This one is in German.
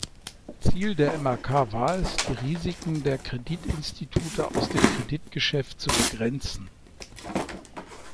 Ziel der MaK war es, die Risiken der Kreditinstitute aus dem Kreditgeschäft zu begrenzen.